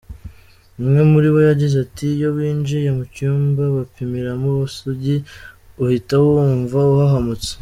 Umwe muri bo yagize ati:”Iyo winjiye mu cyumba bapimiramo ubusugi uhita wumva uhahamutse.